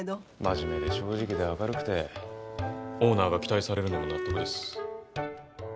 真面目で正直で明るくてオーナーが期待されるのも納得です。